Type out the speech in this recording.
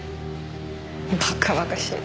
バカバカしい。